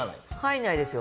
入らないですよ。